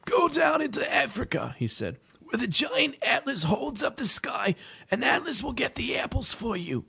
"Go down into Africa,'* he said, "where the giant At'las holds up the sky and Atlas will get the apples for you."